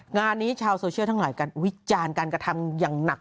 งานนี้ชาวโซเชียลทั้งหลายการวิจารณ์การกระทำอย่างหนัก